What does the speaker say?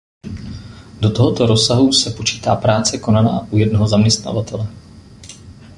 Do tohoto rozsahu se počítá práce konaná u jednoho zaměstnavatele.